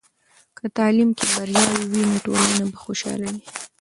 که تعلیم کې بریا وي، نو ټولنه به خوشحاله وي.